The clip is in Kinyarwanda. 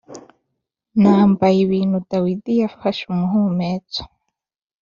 nambaye ibi bintu Dawidi yafashe umuhumetso